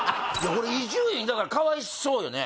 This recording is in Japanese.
俺伊集院だからかわいそうよね